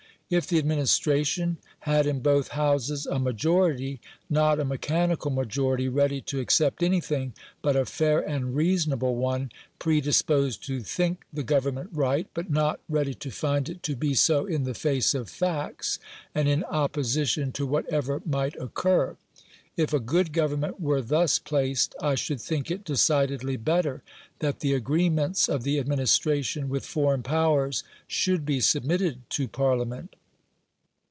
If the administration had in both Houses a majority not a mechanical majority ready to accept anything, but a fair and reasonable one, predisposed to think the Government right, but not ready to find it to be so in the face of facts and in opposition to whatever might occur; if a good Government were thus placed, I should think it decidedly better that the agreements of the administration with foreign powers should be submitted to Parliament.